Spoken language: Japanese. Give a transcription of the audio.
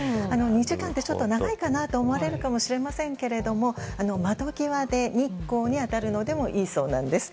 ２時間って長いかなと思われるかもしれませんけど窓際で日光に当たるのでもいいそうなんです。